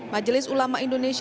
majelis ulama indonesia